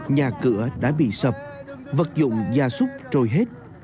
nhà cửa đã bị sập vật dụng gia súc trôi hết